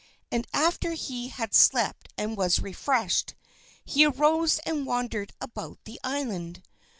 And after he had slept and was refreshed, he arose and wandered about the island.